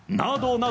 など